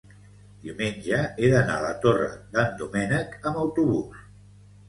Diumenge he d'anar a la Torre d'en Doménec amb autobús.